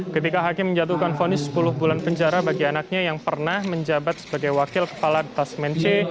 ketika hakim menjatuhkan fonis sepuluh bulan penjara bagi anaknya yang pernah menjabat sebagai wakil kepala detasmen c